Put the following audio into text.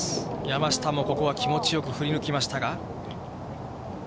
山下もここは気持ちよく振り抜きましたが。